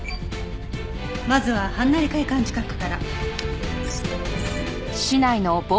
まずははんなり会館近くから。